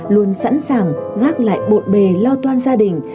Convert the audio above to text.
luôn sẵn sàng gác lại bộn bề lo toan gia đình